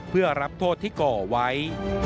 เพื่อรับโทษที่ก่อไว้